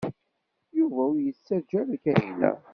Yuba ur yettaǧǧa ara Kahina.